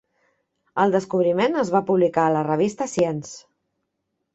El descobriment es va publicar a la revista Science.